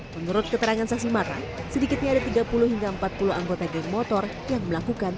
menurut keterangan saksi mata sedikitnya ada tiga puluh hingga empat puluh anggota geng motor yang melakukan